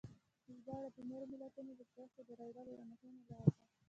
ژباړه د نورو ملتونو د پوهې د راوړلو یوه مهمه لاره ده.